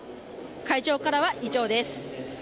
会場からは以上です。